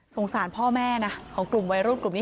สารพ่อแม่นะของกลุ่มวัยรุ่นกลุ่มนี้